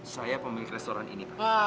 saya pemilik restoran ini pak